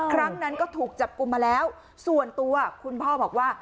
ครั้งนั้นก็ถูกจับกลุ่มมาแล้วส่วนตัวคุณพ่อบอกว่า